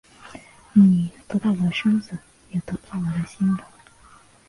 你得到我的身子也得不到我的心的